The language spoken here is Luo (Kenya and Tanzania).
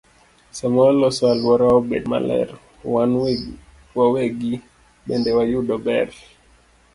Sama waloso alworawa obed maler, wan wawegi bende wayudo ber.